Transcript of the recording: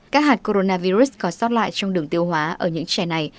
các hạt coronavirus có sót lại trong đường tiêu hóa ở những trẻ này